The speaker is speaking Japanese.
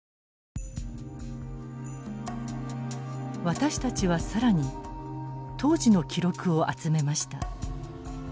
私たちは更に当時の記録を集めました。